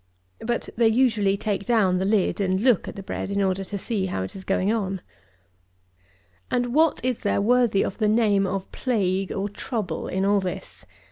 But they usually take down the lid, and look at the bread, in order to see how it is going on. 106. And what is there worthy of the name of plague, or trouble, in all this?